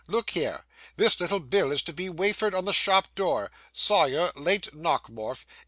Look here. This little bill is to be wafered on the shop door: "Sawyer, late Nockemorf.